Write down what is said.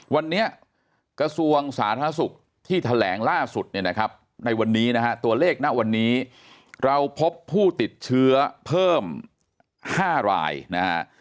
วันนี้กระทรวงสาธารณสุขที่แถลงล่าสุดเนี่ยนะครับในวันนี้นะฮะตัวเลขณวันนี้เราพบผู้ติดเชื้อเพิ่ม๕รายนะฮะ